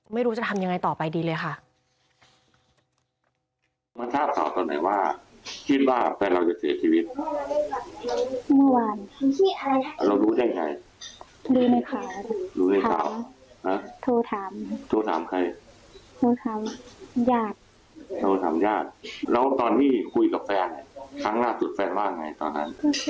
ไม่รู้จะทำยังไงต่อไปดีเลยค่ะ